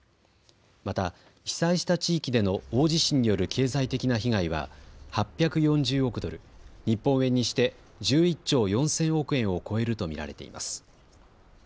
また被災した地域での大地震による経済的な被害は８４０億ドル、日本円にして１１兆４０００億円を超えると見られています。